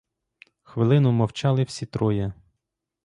Хвилину мовчали всі троє.